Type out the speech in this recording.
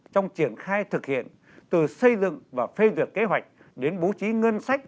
trong triển khai thực hiện từ xây dựng và phê duyệt kế hoạch đến bố trí ngân sách